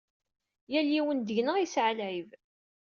Yal yiwen seg-neɣ yesɛa lɛib.